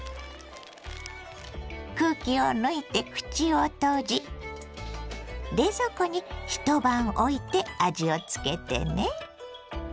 空気を抜いて口を閉じ冷蔵庫に一晩おいて味をつけてね。